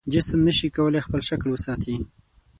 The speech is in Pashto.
جسم نشي کولی خپل شکل وساتي.